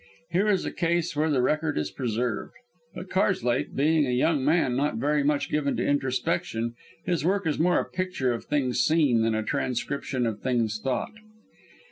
Here is a case where the record is preserved. But Karslake, being a young man not very much given to introspection, his work is more a picture of things seen than a transcription of things thought.